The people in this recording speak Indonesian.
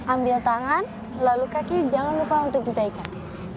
ambil tangan lalu kaki jangan lupa untuk dinaikkan